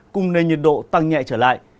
cùng nơi nhiệt độ tăng nhẹ trở lại